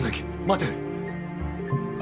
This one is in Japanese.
待て！